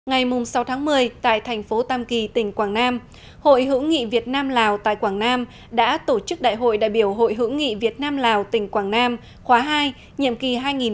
ngày sáu tháng một mươi tại thành phố tam kỳ tỉnh quảng nam hội hữu nghị việt nam lào tại quảng nam đã tổ chức đại hội đại biểu hội hữu nghị việt nam lào tỉnh quảng nam khóa hai nhiệm kỳ hai nghìn một mươi chín hai nghìn hai mươi bốn